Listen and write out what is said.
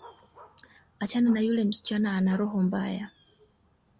Achana na yule msichana ana roho mbaya.